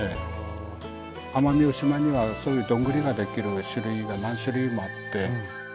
奄美大島にはそういうドングリができる種類が何種類もあって。